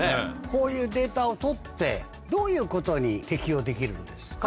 こういうデータを取ってどういうことに適応できるんですか？